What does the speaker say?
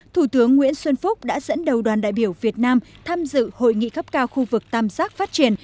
thủ tướng nguyễn xuân phúc đã dẫn đầu đoàn đại biểu việt nam tham dự hội nghị cấp cao khu vực tam giác phát triển